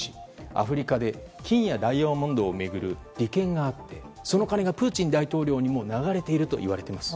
アフリカで金やダイヤモンドを巡る利権があって、その金がプーチン大統領にも流れているといわれています。